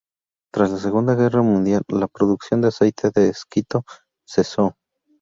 Tras la Segunda Guerra Mundial, la producción de aceite de esquisto cesó.